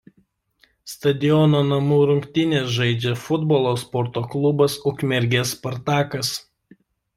Stadione namų rungtynes žaidžia futbolo sporto klubas Ukmergės „Spartakas“.